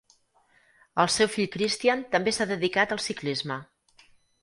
El seu fill Christian també s'ha dedicat al ciclisme.